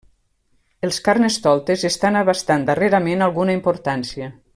Els carnestoltes estan abastant darrerament alguna importància.